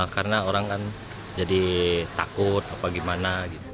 karena orang kan jadi takut apa gimana gitu